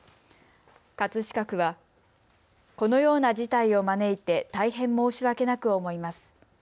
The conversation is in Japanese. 葛飾区はこのような事態を招いて大変申し訳なく思います。